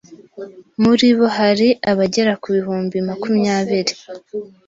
Muri bo hari abagera ku bihumbi makumyabiri